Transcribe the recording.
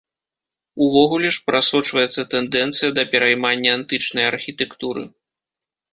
Увогуле ж, прасочваецца тэндэнцыя да пераймання антычнай архітэктуры.